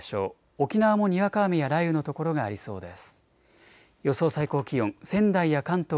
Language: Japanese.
沖縄もにわか雨や雷雨の所がありそうです。